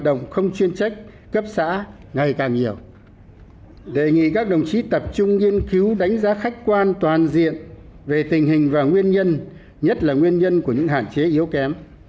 đề nghị các đồng chí tập trung nghiên cứu đánh giá khách quan toàn diện về tình hình và nguyên nhân nhất là nguyên nhân của những hạn chế yếu kém